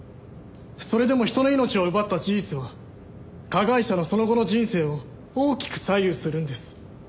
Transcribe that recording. それでも人の命を奪った事実は加害者のその後の人生を大きく左右するんです。